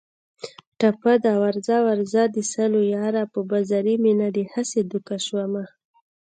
ټپه ده: ورځه ورځه د سلو یاره په بازاري مینه دې هسې دوکه شومه